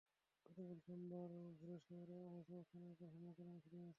গতকাল সোমবার ভোরে শহরে আইএস অবস্থানের ওপর হামলা চালানো শুরু হয়েছে।